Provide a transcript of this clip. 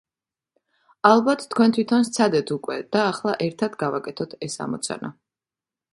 ალბათ, თქვენ თვითონ სცადეთ უკვე, და ახლა ერთად გავაკეთოთ ეს ამოცანა.